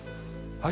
はい。